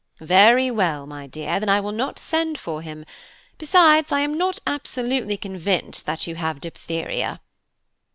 "Very well, my dear, then I will not send for him; besides, I am not absolutely convinced that you have diphtheria."